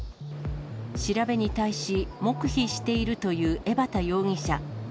調べに対し黙秘しているという江畑容疑者。